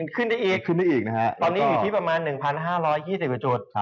ขึ้นได้อีกตอนนี้อยู่ที่ประมาณ๑๕๒๐จุด